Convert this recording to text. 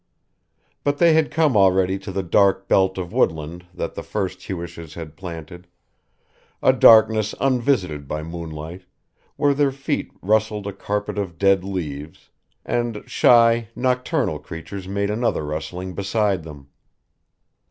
But they had come already to the dark belt of woodland that the first Hewishes had planted, a darkness unvisited by moonlight, where their feet rustled a carpet of dead leaves, and shy, nocturnal creatures made another rustling beside them.